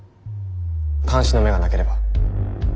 監視の目がなければ。